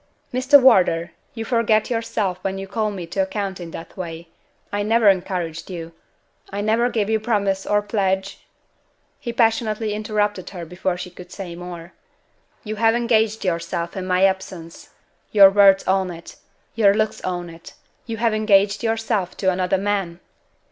"Mr. Wardour! you forget yourself when you call me to account in that way. I never encouraged you. I never gave you promise or pledge " He passionately interrupted her before she could say more. "You have engaged yourself in my absence. Your words own it; your looks own it! You have engaged yourself to another man!"